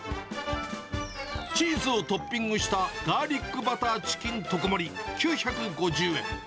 チーズをトッピングしたガーリックバターチキン特盛９５０円。